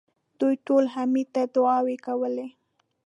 دوی ټولو حميد ته دعاوې کولې.